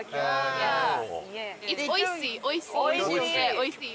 おいしい！